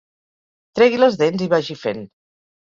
Tregui les dents i vagi fent.